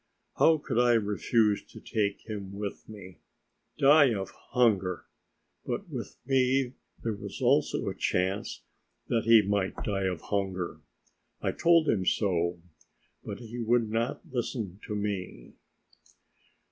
How could I refuse to take him with me. Die of hunger! But with me there was also a chance that he might die of hunger. I told him so, but he would not listen to me.